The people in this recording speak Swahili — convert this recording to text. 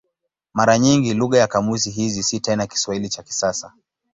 Mara nyingi lugha ya kamusi hizi si tena Kiswahili cha kisasa.